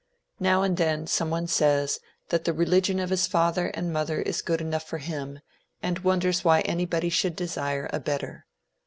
Now and then some one says that the religion of his father and mother is good enough for him, and wonders why anybody should desire a better.